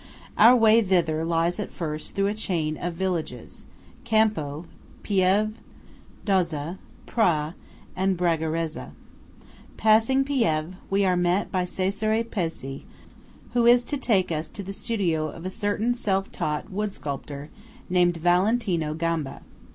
Our way thither lies at first through a chain of villages–Campo, Pieve, Dozza, Prà, and Bragarezza. Passing Pieve, we are met by Cesare Pezzé who is to take us to the studio of a certain self taught wood sculptor named Valentino Gamba.